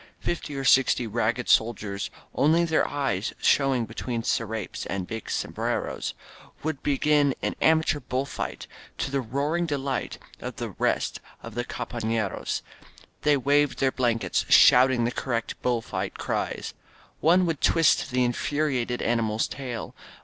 Fifty or sixty ragged soldiers, only their eyes showing between scrapes and big sombreros, would be gin an amateur bull fight, to the roaring delight of the rest of the compafleros. They waved their blankets, shouting the correct bull fight cries. One would twist the infuriated animal's tail.